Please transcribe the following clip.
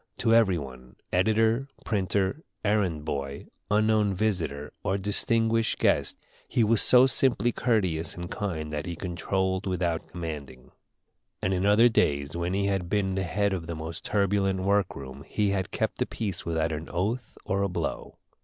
To every one, editor, printer, errand boy, unknown visitor, or distinguished guest, he was so simply courteous and kind that he controlled without commanding; and in other days, when he had been the head of the most turbulent work room, he had kept the peace without an oath or a blow.